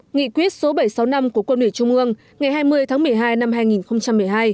nghị quyết số bảy trăm sáu mươi năm của quân ủy trung ương ngày hai mươi tháng một mươi hai năm hai nghìn một mươi hai